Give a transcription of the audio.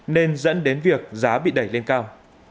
nên dẫn đến việc giá bị đẩy lên cao